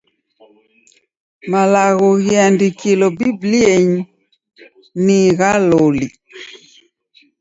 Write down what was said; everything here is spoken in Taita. Malagho ghiandikilo Bibilienyi ni gha loli.